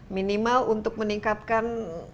minimal untuk meningkatkan